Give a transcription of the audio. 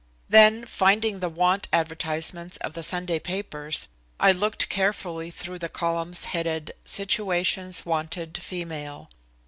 Then, finding the want advertisements of the Sunday papers, I looked carefully through the columns headed "Situations Wanted, Female."